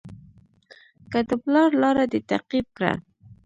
که د پلار لاره دې تعقیب کړه.